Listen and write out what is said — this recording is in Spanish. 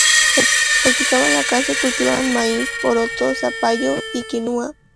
Practicaban la caza y cultivaban maíz, porotos, zapallo y quinua.